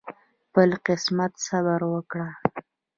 خپل قسمت صبر وکړه